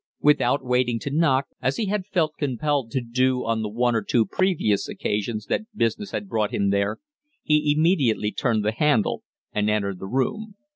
Without waiting to knock, as he had felt compelled to do on the one or two previous occasions that business had brought him there, he immediately turned the handle and entered the room.